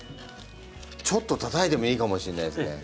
ちょっとたたいてもいいかもしれないですね名人。